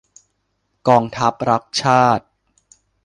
กองทัพรักชาติ !